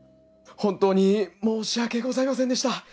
本当に申し訳ございませんでした。